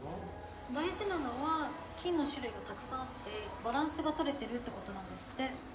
・大事なのは菌の種類がたくさんあってバランスが取れてるってことなんですって。